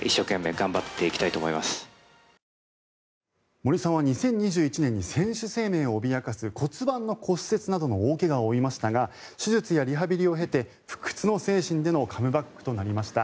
森さんは２０２１年に選手生命を脅かす骨盤の骨折などの大怪我を負いましたが手術やリハビリを経て不屈の精神でのカムバックとなりました。